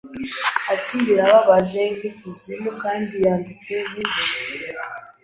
Ati: "Birababaje nk'ikuzimu kandi yanditse nk'inzozi